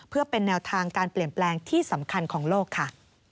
เพื่อเป็นแนวทางการเปลี่ยนแปลงที่สำคัญของโลกค่ะ